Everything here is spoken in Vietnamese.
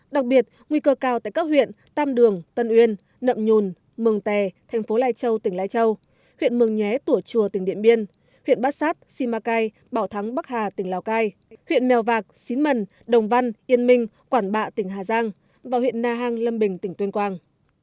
đặc biệt nguy cơ cao tại các huyện tam đường tân uyên nậm nhùn mường tè thành phố lai châu tỉnh lai châu huyện mường nhé tủa chùa tỉnh điện biên huyện bát sát simacai bảo thắng bắc hà tỉnh lào cai huyện mèo vạc xín mần đồng văn yên minh quảng bạ tỉnh hà giang và huyện na hàng lâm bình tỉnh tuyên quang